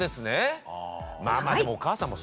まあまあでもお母さんもそうですよね。